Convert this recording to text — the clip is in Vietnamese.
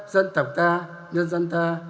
dân tộc ta nhân dân ta